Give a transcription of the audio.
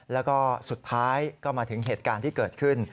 แล้วก็สุดท้ายก็มาถึงเหตุการณ์ที่เกิดขึ้น